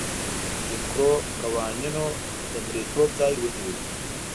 جیم کرو قوانینو د مریتوب ځای ونیو.